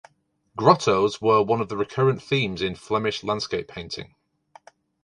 Grottoes were one of the recurrent themes in Flemish landscape painting.